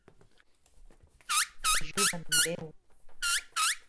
Ajuda'm, Déu.